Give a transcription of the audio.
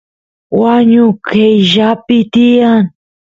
wañu qayllapi tiyan